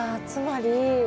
つまり。